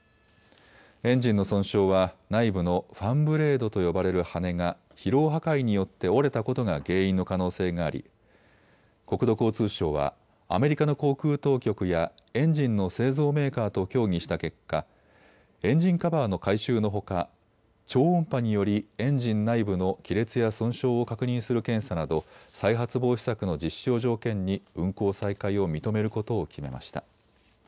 エンジンの損傷は内部のファンブレードと呼ばれる羽根が疲労破壊によって折れたことが原因の可能性があり国土交通省はアメリカの航空当局やエンジンの製造メーカーと協議した結果、エンジンカバーの改修のほか超音波によりエンジン内部の亀裂や損傷を確認する検査など再発防止策の実施を条件に運航再開を認めることを決めました。